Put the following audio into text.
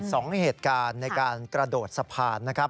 สองเหตุการณ์ในการกระโดดสะพานนะครับ